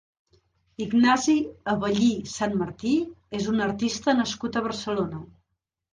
Ignasi Aballí Sanmartí és un artista nascut a Barcelona.